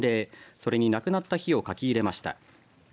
それに、亡くなった日を書き入れました。